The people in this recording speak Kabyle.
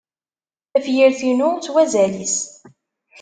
Tafyir-inu s wazal-is!